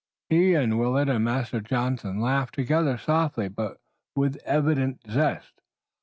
He and Willet and Master Jonathan laughed together, softly but with evident zest.